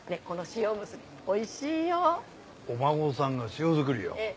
この塩むすびおいしいよ。お孫さんが塩作りを。